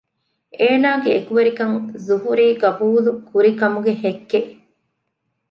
އޭނަގެ އެކުވެރިކަން ޒުހުރީ ޤަބޫލުކުރި ކަމުގެ ހެއްކެއް